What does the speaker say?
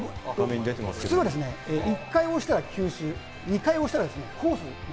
普通はですね、１回押したら球種、２回押したらコース。